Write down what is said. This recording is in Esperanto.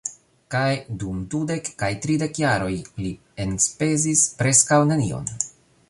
Kaj, dum dudek kaj tridek jaroj, li enspezis preskaŭ nenion.